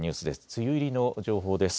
梅雨入りの情報です。